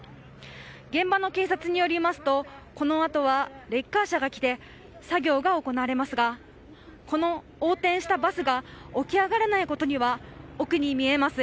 現場の警察によりますとこのあとはレッカー車が来て作業が行われますがこの横転したバスが起き上がれないことには奥に見えます